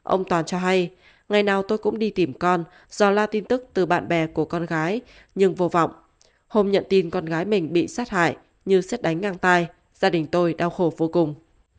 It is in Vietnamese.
ông toàn cho hay ngày nào tôi cũng đi tìm con do la tin tức từ bạn bè của con gái nhưng vô vọng hôm nhận tin con gái mình bị sát hại như xét đánh ngang tai gia đình tôi đau khổ vô cùng